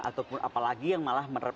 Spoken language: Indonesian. ataupun apalagi yang malah